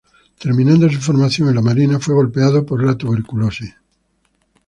Terminando su formación en la marina, fue golpeado por la tuberculosis.